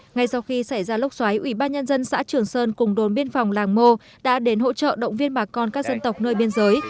ngay sau khi xảy ra lốc xoáy ủy ban nhân dân xã trường sơn cùng đồn biên phòng làng mô đã đến hỗ trợ động viên bà con các dân tộc nơi biên giới